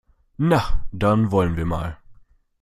Na, dann wollen wir mal!